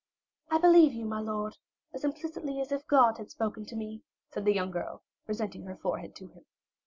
"I believe you, my lord, as implicitly as if God had spoken to me," said the young girl, presenting her forehead to him.